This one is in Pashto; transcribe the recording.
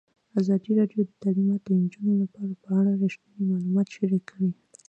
ازادي راډیو د تعلیمات د نجونو لپاره په اړه رښتیني معلومات شریک کړي.